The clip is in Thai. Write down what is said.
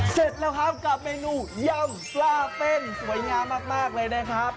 เสร็จแล้วครับกับเมนูยำปลาเต้นสวยงามมากเลยนะครับ